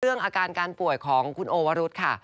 เรื่องอาการการป่วยของคุณโอวารุธค่ะ